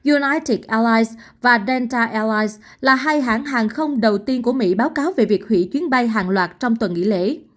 unitiet airlines và delta airlines là hai hãng hàng không đầu tiên của mỹ báo cáo về việc hủy chuyến bay hàng loạt trong tuần nghỉ lễ